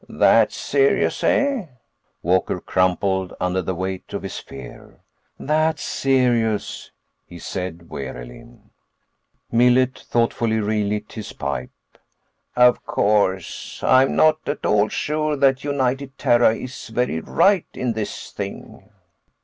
"That serious, eh?" Walker crumpled under the weight of his fear. "That serious," he said wearily. Millet thoughtfully relit his pipe. "Of course, I'm not at all sure that United Terra is very right in this thing."